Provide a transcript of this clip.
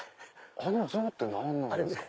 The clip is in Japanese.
あの象って何なんですか？